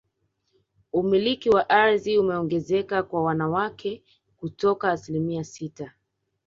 Umiliki wa ardhi umeongezeka kwa wanawake kutoka asilimia sita